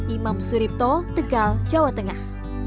imam suripto tegal jawa tengah